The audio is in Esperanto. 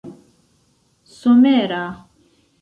somera